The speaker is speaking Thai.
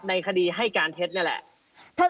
ในคดีให้การเท็จนี่แหละ